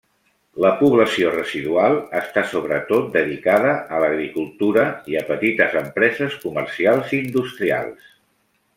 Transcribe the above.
La població residual està sobretot dedicada a l'agricultura i a petites empreses comercials i industrials.